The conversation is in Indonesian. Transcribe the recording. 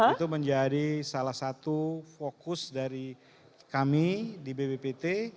itu menjadi salah satu fokus dari kami di bppt